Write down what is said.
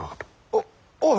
おおう。